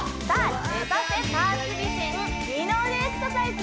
さあ